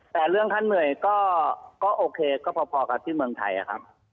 แต่เรื่องท่านเหนื่อยก็โอเคก็พอกับที่เมืองไทยครับ